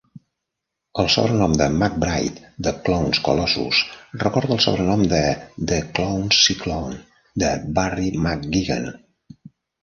El sobrenom de McBride, "The Clones Colossus", recorda el sobrenom de "The Clones Cyclone" de Barry McGuigan.